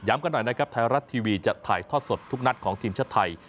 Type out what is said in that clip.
กันหน่อยนะครับไทยรัฐทีวีจะถ่ายทอดสดทุกนัดของทีมชาติไทย